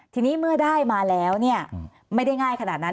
ทีนี้เมื่อได้มาแล้วเนี่ยไม่ได้ง่ายขนาดนั้น